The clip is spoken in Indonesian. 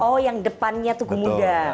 oh yang depannya tugu muda